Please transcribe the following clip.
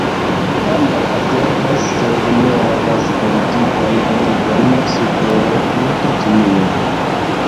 Ambaŭ asertas, sed ne havas, politikan regon super tuta Ĉinio.